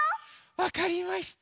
わかりました。